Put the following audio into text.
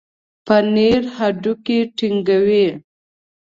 پنېر هډوکي ټينګوي.